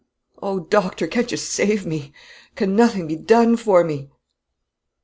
Oh, doctor, can't you save me? can nothing be done for me?"